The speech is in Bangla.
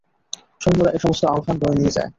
সৈন্যরা এ সমস্ত আহবান বয়ে নিয়ে যায়।